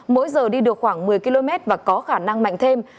mỗi giờ đi được khoảng một mươi km và có khả năng mạnh thêm